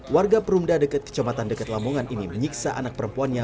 warga perumda dekat kecamatan dekat lamongan ini menyiksa anak perempuannya